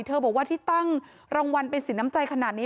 บอกว่าที่ตั้งรางวัลเป็นสินน้ำใจขนาดนี้